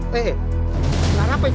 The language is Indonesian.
keluar apa itu